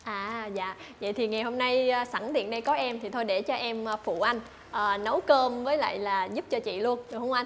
à vậy thì ngày hôm nay sẵn điện đây có em thì thôi để cho em phụ anh nấu cơm với lại là giúp cho chị luôn đúng không anh